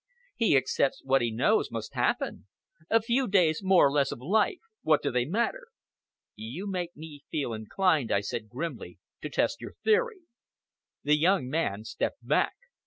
He accepts what he knows must happen! A few days more or less of life what do they matter?" "You make me feel inclined," I said grimly, "to test your theory." The young man stepped back.